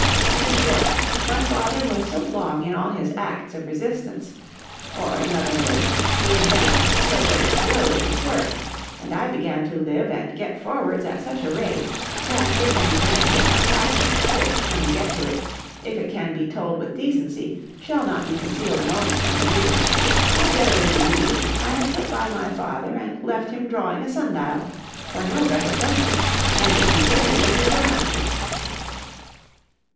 In short my father was so long in all his acts of resistance,—or in other words,—he advanced so very slow with his work, and I began to live and get forwards at such a rate, that if an event had not happened,——which, when we get to it, if it can be told with decency, shall not be concealed a moment from the reader——I verily believe, I had put by my father, and left him drawing a sundial, for no better purpose than to be buried under ground.